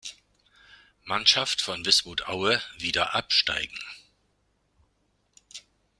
Mannschaft von Wismut Aue wieder absteigen.